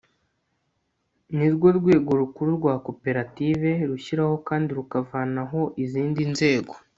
nirwo rwego rukuru rwa koperative rushyiraho kandi rukavanaho izindi nzego